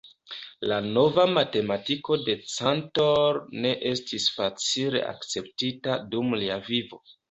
La nova matematiko de Cantor ne estis facile akceptita dum lia vivo.